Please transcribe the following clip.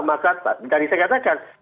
sumpah maka saya katakan